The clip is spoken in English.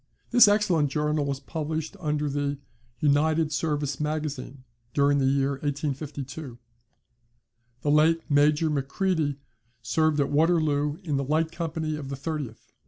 [This excellent journal was published in the "United Service Magazine" during the year 1852.] The late Major Macready served at Waterloo in the light company of the 30th.